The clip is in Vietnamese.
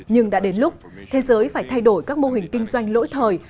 nhưng đã đến lúc thế giới phải thay đổi các mô hình kinh doanh lỗi thời